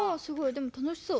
でもたのしそう。